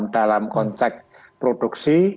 dalam konteks produksi